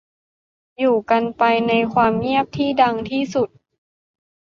อยู่กันไปในความเงียบที่ดังที่สุด